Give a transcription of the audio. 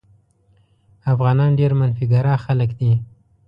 افغانان ډېر منفي ګرا خلک دي.